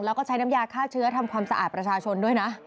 แล้วก็ใช้น้ำยาฆ่าเชื้อทำความสะอาดประชาชนด้วยนะ